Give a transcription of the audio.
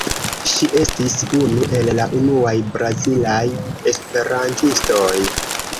Ŝi estis unu el la unuaj brazilaj esperantistoj.